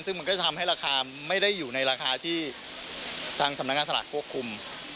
ซึ่งมันก็จะทำให้ราคาไม่ได้อยู่ในราคาที่ทางสำนักงานสลากควบคุม